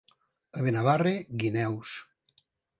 A Benavarri, guineus.